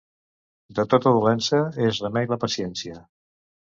De tota dolença és remei la paciència.